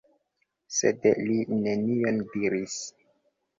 Sed li nenion diris.